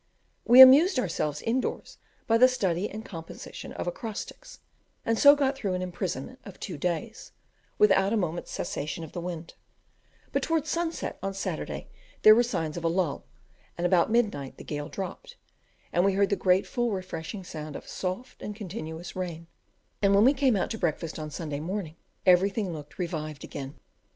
We amused ourselves indoors by the study and composition of acrostics, and so got through an imprisonment of two days, without a moment's cessation of the wind; but towards sunset on Saturday there were signs of a lull, and about midnight the gale dropped; and we heard the grateful, refreshing sound of soft and continuous rain, and when we came out to breakfast on Sunday morning everything looked revived again.